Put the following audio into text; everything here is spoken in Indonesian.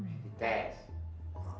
caranya lainnya seperti apa coba